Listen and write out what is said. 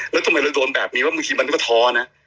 แล้วทำไมเราโดนแบบนี้ว่ามันก็ฮ